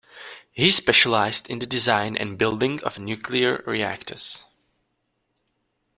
He specialised in the design and building of nuclear reactors.